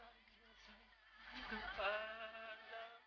aku mau ke tempat moi disini